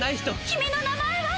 君の名前は。